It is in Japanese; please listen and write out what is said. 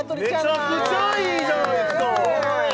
めちゃくちゃいいじゃないですかすごい！